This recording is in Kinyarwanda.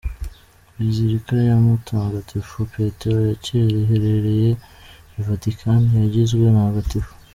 Bazilika ya Mutagatifu Petero ya cyera iherereye I Vatican yagizwe ntagatifu.